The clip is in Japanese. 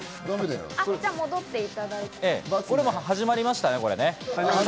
これ、もう始まりましたね。